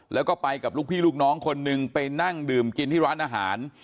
แล้วก็ไปกับลูกพี่ลูกน้องคนหนึ่งไปนั่งดื่มกินที่ร้านอาหาร